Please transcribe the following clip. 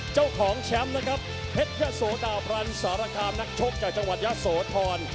เจ้าของแชมป์นะครับเพชรยะโสดาพรรณสารคามนักชกจากจังหวัดยะโสธร